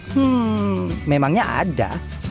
hmm memangnya ada